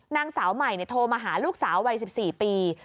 นางสาวใหม่โทรมาหาลูกสาววัย๑๔ปี